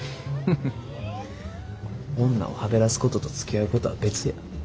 フフフッ女をはべらすこととつきあうことは別や。